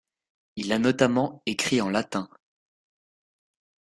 Il a notamment écrit en latin.